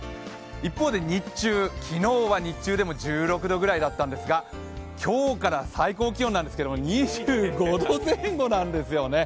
一方で日中、昨日は日中でも１６度くらいだったんですが今日から最高気温なんですけど２５度前後なんですよね。